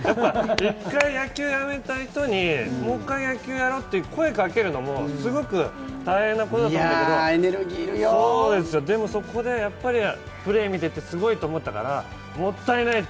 一回野球やめた人に、もう１回野球やろうって声かけるのもすごく大変なことだと思うんだけど、でもそこでプレーを見ててすごいと思ったからもったいない！